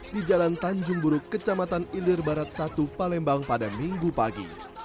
di jalan tanjung buruk kecamatan ilir barat satu palembang pada minggu pagi